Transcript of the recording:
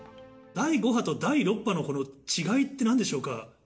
第５波と第６波の違いってなんでしょうか。